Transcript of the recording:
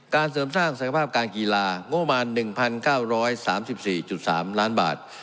๔การเสริมสร้างสังคมภาพการกีฬางบมา๑๙๓๔๓ล้านบาท